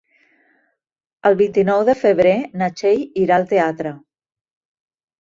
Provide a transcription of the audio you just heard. El vint-i-nou de febrer na Txell irà al teatre.